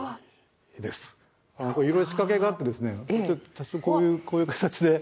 いろいろ仕掛けがあってこういうこういう形で。